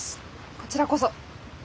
こちらこそ。